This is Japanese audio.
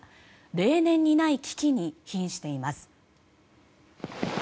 例年にない危機に瀕しています。